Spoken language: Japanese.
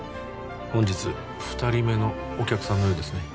本日二人目のお客さんのようですね